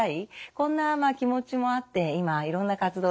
こんな気持ちもあって今いろんな活動をしております。